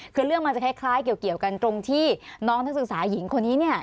คือเรื่องมันจะคล้ายเกี่ยวกันตรงที่น้องนักศึกษาหญิงคนนี้เนี่ย